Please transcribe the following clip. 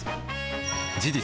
事実